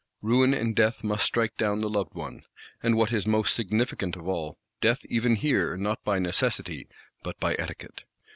Ruin and death must strike down the loved one; and, what is most significant of all, death even here not by necessity, but by etiquette.